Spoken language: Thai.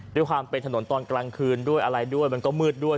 ด้วยความเป็นถนนตอนกลางคืนด้วยอะไรด้วยมันก็มืดด้วย